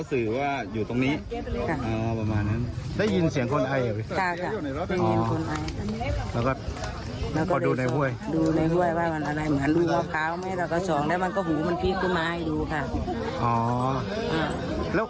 แล้วก็หูมันพริกมาให้ดูค่ะ